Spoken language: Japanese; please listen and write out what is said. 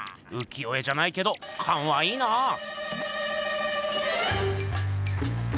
浮世絵じゃないけどカンはいいなぁ。